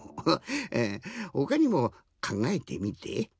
えほかにもかんがえてみて。